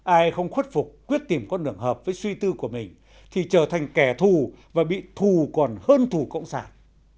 ai không khuất phục quyết tìm con đường hợp với suy tư của mình thì trở thành kẻ thù và bị thù còn hơn thủ cộng sản